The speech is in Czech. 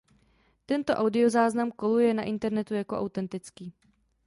Tento audio záznam koluje na internetu jako autentický.